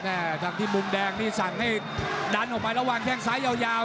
ทางที่มุมแดงนี่สั่งให้ดันออกไประหว่างแข้งซ้ายยาว